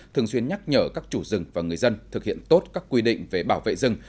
thường xuyên nhắc nhở các chủ rừng và người dân thực hiện tốt các quy định về bảo vệ rừng